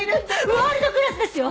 ワールドクラスですよ